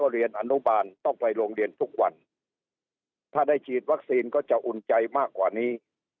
เรียนอนุบาลต้องไปโรงเรียนทุกวันถ้าได้ฉีดวัคซีนก็จะอุ่นใจมากกว่านี้